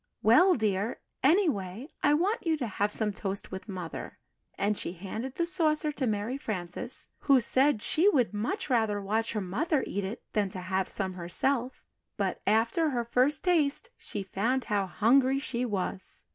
"Well, dear, anyway I want you to have some toast with Mother" and she handed the saucer to Mary Frances, who said she would much rather watch her mother eat it than to have some herself; but, after her first taste, she found how hungry she was.